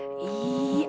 amu teh bodoh